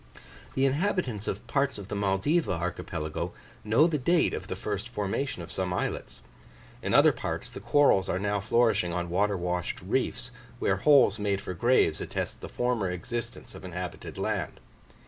The inhabitants of parts of the Maldiva archipelago know the date of the first formation of some islets; in other parts, the corals are now flourishing on water washed reefs, where holes made for graves attest the former existence of inhabited land.